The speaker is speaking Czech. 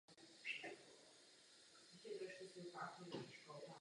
Výstava měla značný ohlas a začala se otevírat cesta do zahraničí.